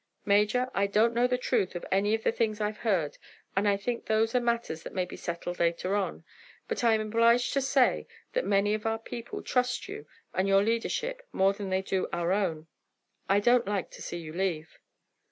"Major, I don't know the truth of any of the things I've heard, and I think those are matters that may be settled later on. But I am obliged to say that many of our people trust you and your leadership more than they do our own. I don't like to see you leave."